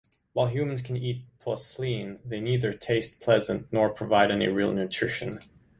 While humans can eat Posleen, they neither taste pleasant nor provide any real nutrition.